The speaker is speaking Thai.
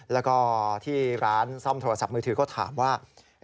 แล้วก็เรียกว่าที่ร้านซ่อมมือถือก็ถามว่า